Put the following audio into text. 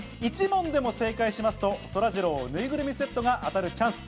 １問でも正解しますと、そらジローぬいぐるみセットが当たるチャンス。